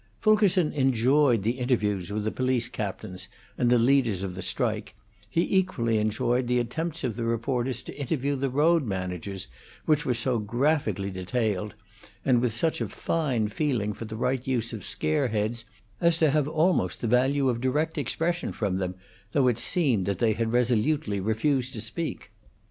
Fulkerson enjoyed the interviews with the police captains and the leaders of the strike; he equally enjoyed the attempts of the reporters to interview the road managers, which were so graphically detailed, and with such a fine feeling for the right use of scare heads as to have almost the value of direct expression from them, though it seemed that they had resolutely refused to speak.